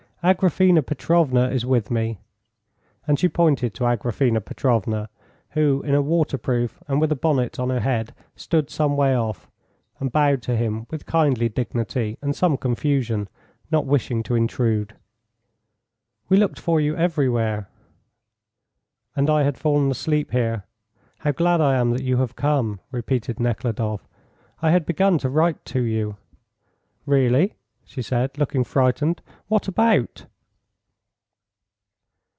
"Agraphena Petrovna is with me." And she pointed to Agraphena Petrovna, who, in a waterproof and with a bonnet on her head, stood some way off, and bowed to him with kindly dignity and some confusion, not wishing to intrude. "We looked for you everywhere." "And I had fallen asleep here. How glad I am that you have come," repeated Nekhludoff. "I had begun to write to you." "Really?" she said, looking frightened. "What about?"